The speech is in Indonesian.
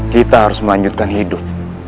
kita harus melanjutkan hidup